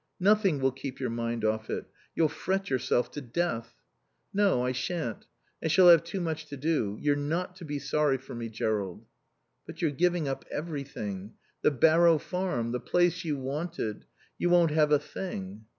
"Nothing will keep your mind off it. You'll fret yourself to death." "No, I shan't. I shall have too much to do. You're not to be sorry for me, Jerrold." "But you're giving up everything. The Barrow Farm. The place you wanted. You won't have a thing."